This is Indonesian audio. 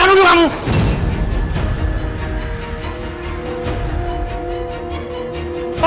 jangan jangan dulu kamu